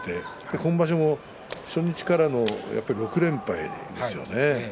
今場所も初日からの６連敗ですよね。